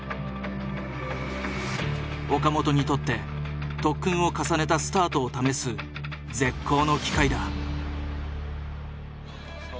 岡本にとって特訓を重ねたスタートを試す絶好の機会だ。